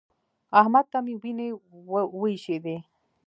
احمد ته مې وينې وايشېدې.